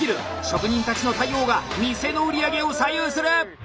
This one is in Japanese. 職人たちの対応が店の売り上げを左右する。